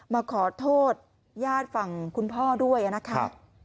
มาขอโทษญาติฝั่งคุณพ่อด้วยนะครับ